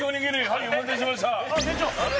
はいお待たせしましたあれ？